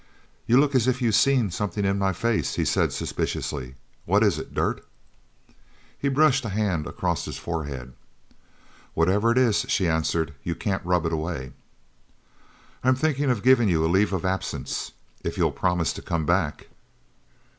"You look as if you seen somethin' in my face?" he said suspiciously. "What is it? Dirt?" He brushed a hand across his forehead. "Whatever it is," she answered, "you can't rub it away." "I'm thinkin' of givin' you a leave of absence if you'll promise to come back."